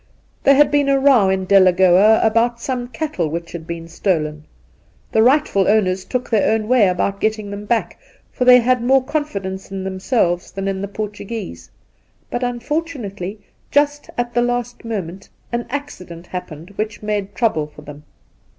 There had been a row in Delagoa about some cattle which had been stolen. The rightful owners took their own way about getting them back, for they had more confidence in themselves than in the Induna Nairn 87 Portuguese; but, unfortunately, just at the last moment, an accident happened which made trouble for them.